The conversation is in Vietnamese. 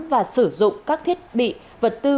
và sử dụng các thiết bị vật tư